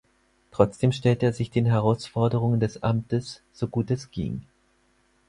Trotzdem stellte er sich den Herausforderungen des Amtes, so gut es ging.